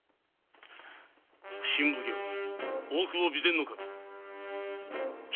普請奉行・大久保備前守北